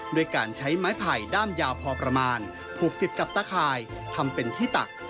ด้วยการใช้ไม้ไผ่ด้ามยาวพอประมาณผูกติดกับตะข่ายทำเป็นที่ตัก